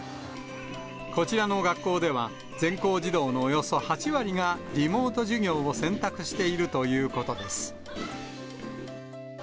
こちらの学校では、全校児童のおよそ８割がリモート授業を選択しているということです。